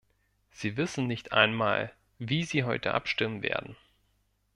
Sie wissen nicht einmal, wie Sie heute abstimmen werden.